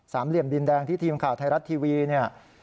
เหลี่ยมดินแดงที่ทีมข่าวไทยรัฐทีวีเนี่ย